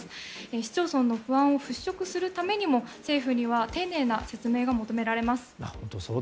市町村の不安を払しょくするためにも政府には丁寧な説明が求められます。